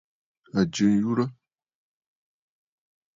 À jɨ nyurə.